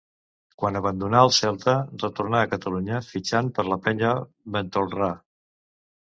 Quan abandonà el Celta retornà a Catalunya, fitxant per la Penya Ventolrà.